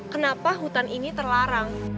kenapa hutan ini terlarang